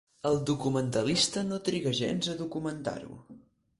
El documentalista no triga gens a documentar-ho.